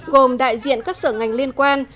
gồm đại diện các sở ngành liên quan